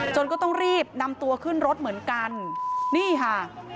ก็ต้องรีบนำตัวขึ้นรถเหมือนกันนี่ค่ะ